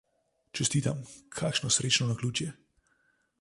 Čestitam, kakšno srečno naključje.